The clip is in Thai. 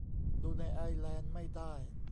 ดูในไอร์แลนด์ไม่ได้